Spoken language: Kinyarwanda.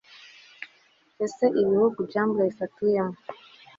Ese ibihugu Jumblies atuyemo